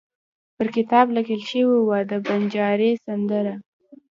پر کتاب لیکل شوي وو: د بنجاري سندرې.